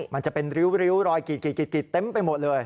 มันจะเป็นริ้วรอยกรีดเต็มไปหมดเลย